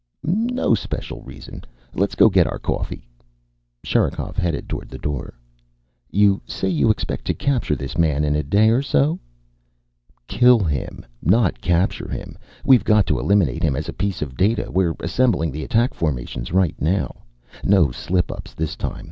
"No special reason. Let's go get our coffee." Sherikov headed toward the door. "You say you expect to capture this man in a day or so?" "Kill him, not capture him. We've got to eliminate him as a piece of data. We're assembling the attack formations right now. No slip ups, this time.